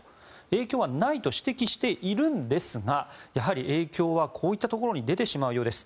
影響はないと指摘しているんですがやはり影響はこういったところに出てしまうようです。